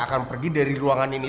saya gak akan pergi dari ruangan ini